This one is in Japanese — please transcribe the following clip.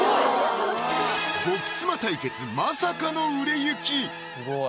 「極妻」対決まさかの売れ行き！